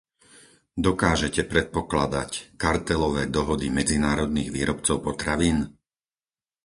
Dokážete predpokladať kartelové dohody medzinárodných výrobcov potravín?